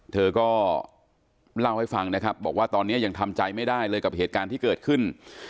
เธอก็เล่าให้ฟังนะครับบอกว่าตอนนี้ยังทำใจไม่ได้เลยกับเหตุการณ์ที่เกิดขึ้น